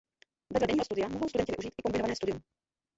Vedle denního studia mohou studenti využít i kombinované studium.